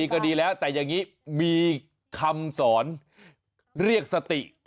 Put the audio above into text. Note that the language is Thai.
ก็ดีแล้วแต่อย่างนี้มีคำสอนเรียกสติ